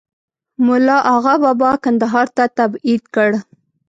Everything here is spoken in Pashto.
مُلا آغابابا کندهار ته تبعید کړ.